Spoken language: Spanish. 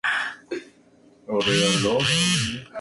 La sede del condado es Iron Mountain.